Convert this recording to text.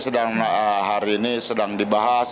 sedang hari ini sedang dibahas